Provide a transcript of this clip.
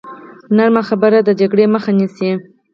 نرمه خبره د جګړې مخه نیسي.